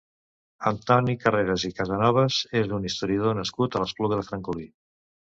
Antoni Carreras i Casanovas és un historiador nascut a l'Espluga de Francolí.